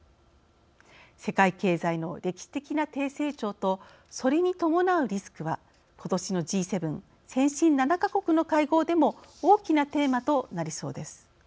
世界経済の歴史的な低成長とそれに伴うリスクは今年のＧ７＝先進７か国の会合でも大きなテーマとなりそうです。